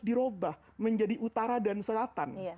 dirobah menjadi utara dan selatan